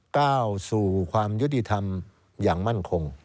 ก้าวสู่ความยุติธรรมอย่างมั่นคง